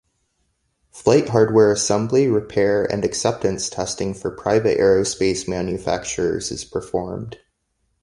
Flight hardware assembly, repair, and acceptance testing for private aerospace manufacturers is performed.